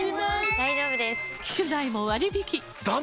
大丈夫です！